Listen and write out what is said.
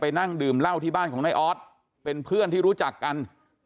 นั่งดื่มเหล้าที่บ้านของนายออสเป็นเพื่อนที่รู้จักกัน